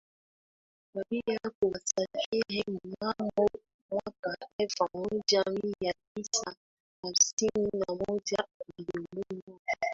wa bia kwa wasafiri Mnamo mwaka elfu moja mia tisa hamsini na moja alimuoa